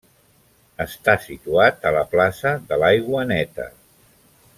Està situat a la plaça de l'Aigua Neta.